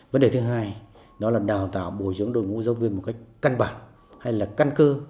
vấn đề thứ hai đó là đào tạo bồi dưỡng đội ngũ giáo viên một cách căn bản hay là căn cơ